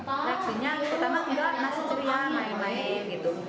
reaksinya pertama juga masih ceria main main gitu